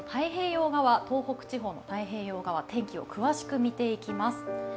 その東北地方の太平洋側、天気を詳しく見ていきます。